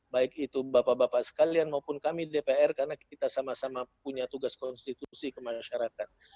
baik itu bapak bapak sekalian maupun kami di dpr karena kita sama sama punya tugas konstitusi ke masyarakat